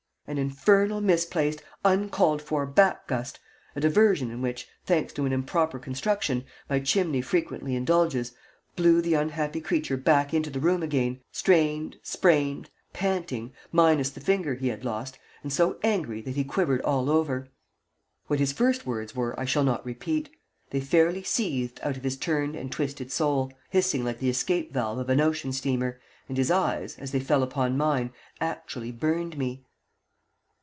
An infernal misplaced, uncalled for back gust, a diversion in which, thanks to an improper construction, my chimney frequently indulges, blew the unhappy creature back into the room again, strained, sprained, panting, minus the finger he had lost, and so angry that he quivered all over. What his first words were I shall not repeat. They fairly seethed out of his turned and twisted soul, hissing like the escape valve of an ocean steamer, and his eyes, as they fell upon mine, actually burned me.